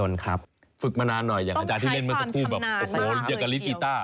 แล้วจะเล่นเกียรติกีต้าน